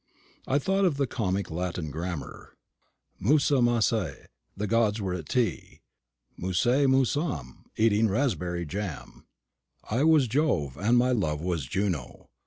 I thought of the Comic Latin Grammar: "Musa, musae, the gods were at tea; Musae musam, eating raspberry jam." I was Jove, and my love was Juno.